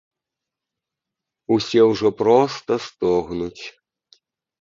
Усе ўжо проста стогнуць.